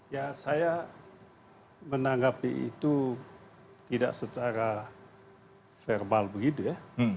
ya saya menanggapi itu tidak secara verbal begitu ya